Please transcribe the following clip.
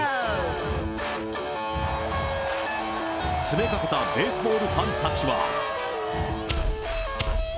詰めかけたベースボールファンたちは。